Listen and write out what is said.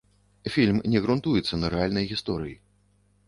Фільм не грунтуецца на рэальнай гісторыі.